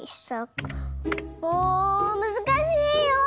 もうむずかしいよ！